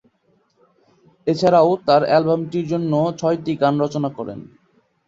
এছাড়াও তারা অ্যালবামটির অন্য ছয়টি গান রচনা করেন।